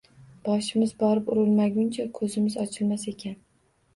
Boshimiz borib urulmaguncha koʻzimiz ochilmas ekan